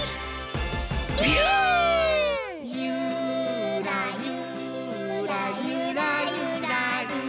「ゆーらゆーらゆらゆらりー」